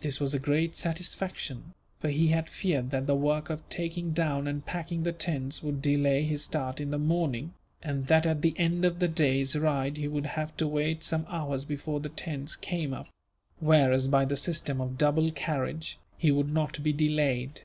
This was a great satisfaction, for he had feared that the work of taking down and packing the tents would delay his start in the morning, and that at the end of the day's ride he would have to wait some hours before the tents came up; whereas by the system of double carriage, he would not be delayed.